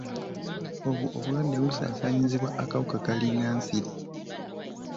Obwo obulwadde busaasaanyizibwa akawuka kalinga nsiri.